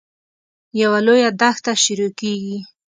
یوه لویه دښته شروع کېږي.